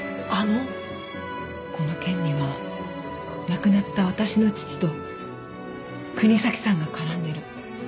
この件には亡くなった私の父と國東さんが絡んでる。